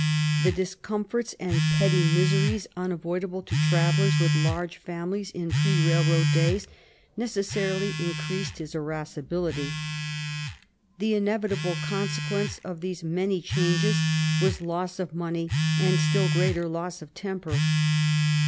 The discomforts and petty miseries unavoidable to travellers with large families in pre railroad days necessarily increased his irascibility. The inevitable consequence of these many changes was loss of money and still greater loss of temper.